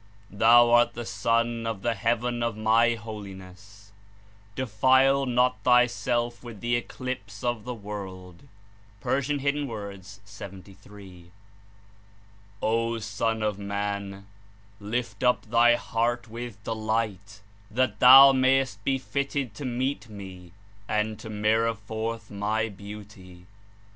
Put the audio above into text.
Thou art the sun of the heaven of My Holiness; defile not thyself with the eclipse of the world." (P. 73.) ''O Son of Man! Lift up thy heart with delight, that thou mayest he fitted to meet Me and to mirror forth My Beauty.''